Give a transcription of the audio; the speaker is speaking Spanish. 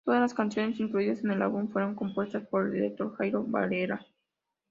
Todas las canciones incluidas en el álbum fueron compuestas por el director Jairo Varela.